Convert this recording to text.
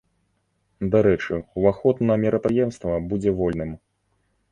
Дарэчы, ўваход на мерапрыемства будзе вольным.